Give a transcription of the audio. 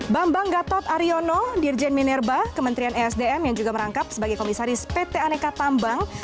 bambang gatot ariono dirjen minerba kementerian esdm yang juga merangkap sebagai komisaris pt aneka tambang